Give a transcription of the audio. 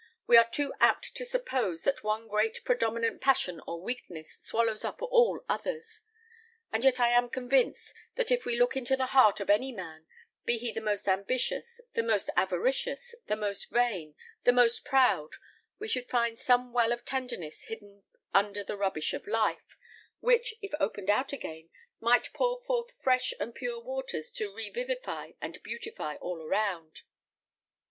We are too apt to suppose that one great predominant passion or weakness swallows up all others; and yet I am convinced, that if we looked into the heart of any man, be he the most ambitious, the most avaricious, the most vain, the most proud, we should find some well of tenderness hidden under the rubbish of life, which, if opened out again, might pour forth fresh and pure waters to revivify and beautify all around."